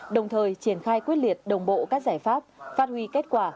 đồng thời triển khai quyết liệt đồng bộ các giải pháp phát huy kết quả